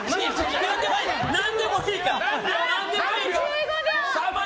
何でもいいから！